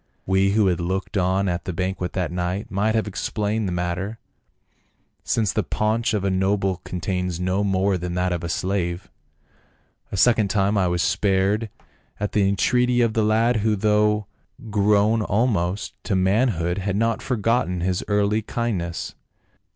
We who had looked on at the banquet that night might have explained the matter, since the paunch of a noble contains no more than that of a slave. A second time I was spared at the entreaty of the lad, who though grown almost to manhood had not forgotten his early kindness.